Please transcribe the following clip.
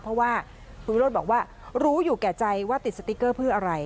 เพราะว่าคุณวิโรธบอกว่ารู้อยู่แก่ใจว่าติดสติ๊กเกอร์เพื่ออะไร